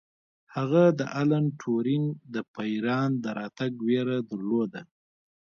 هغه د الن ټورینګ د پیریان د راتګ ویره درلوده